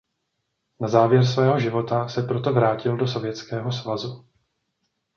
Na závěr svého života se proto vrátil do Sovětského svazu.